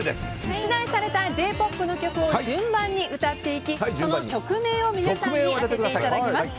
出題されたＪ‐ＰＯＰの曲を順番に歌っていただきその曲名を皆さんに当てていただきます。